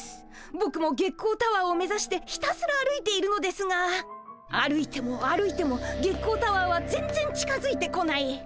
ぼくも月光タワーを目指してひたすら歩いているのですが歩いても歩いても月光タワーは全然近づいてこない。